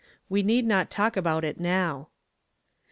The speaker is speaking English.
We need not talk about it now." .